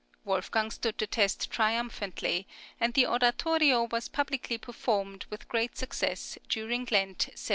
Wolfgang stood the test triumphantly, and the oratorio was publicly performed, with great success, during Lent, 1767.